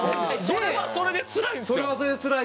それはそれでつらいか。